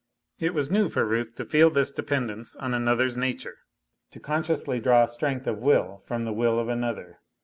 It was new for Ruth to feel this dependence on another's nature, to consciously draw strength of will from the will of another.